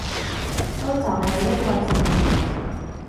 都就係呢個字唔難